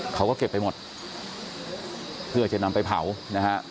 เขาก็เก็บไปหมดเพื่อจะนำไปเผานะฮะ